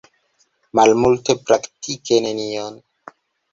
Malmulte, praktike nenion.